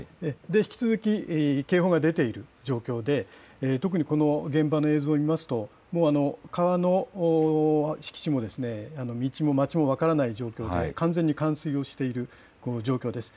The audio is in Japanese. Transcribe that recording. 引き続き警報が出ている状況で、特にこの現場の映像を見ますと、もう、川の敷地も道も町も分からない状況で、完全に冠水をしている状況です。